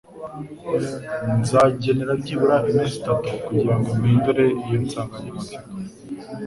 Nzakenera byibura iminsi itatu kugirango mpindure iyo nsanganyamatsiko.